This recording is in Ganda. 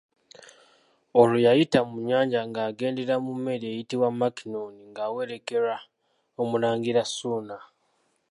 Olwo yayita mu nnyanja ng'agendera mu meeri eyitibwa Mackinnon ng'awerekerwa Omulangira Ssuuna.